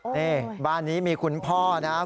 นี่บ้านนี้มีคุณพ่อนะครับ